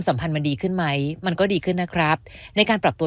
สัมพันธ์มันดีขึ้นไหมมันก็ดีขึ้นนะครับในการปรับตัว